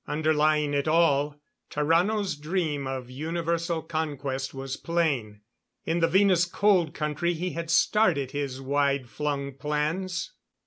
Underlying it all, Tarrano's dream of universal conquest was plain. In the Venus Cold Country he had started his wide flung plans.